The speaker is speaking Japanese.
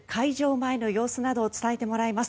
前の様子などを伝えてもらいます。